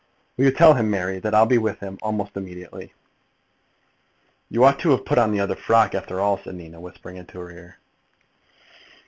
Will you tell him, Mary, that I'll be with him almost immediately?" "You ought to have put on the other frock, after all," said Nina, whispering into her ear.